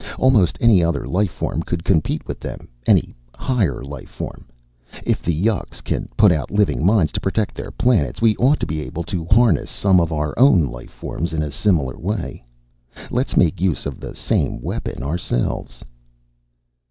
Almost any other life form could compete with them, any higher life form. If the yuks can put out living mines to protect their planets, we ought to be able to harness some of our own life forms in a similar way. Let's make use of the same weapon ourselves."